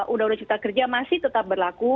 undang undang ciptakerja masih tetap berlaku